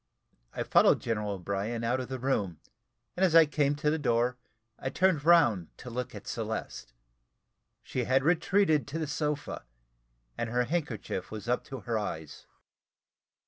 I followed General O'Brien out of the room, and as I came to the door, I turned round to look at Celeste. She had retreated to the sofa, and her handkerchief was up to her eyes.